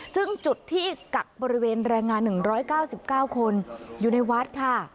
ซึ่งจุดที่กักบริเวณแรงงาน๑๙๙คนอยู่ในวัดค่ะ